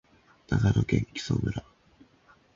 長野県木祖村